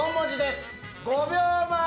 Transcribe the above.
５秒前！